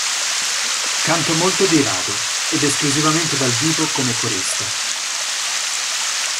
Canta molto di rado, ed esclusivamente dal vivo come corista.